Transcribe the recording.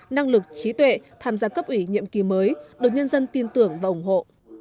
năng lực trí tuệ tham gia cấp ủy nhiệm kỳ mới được nhân dân tin tưởng và ủng hộ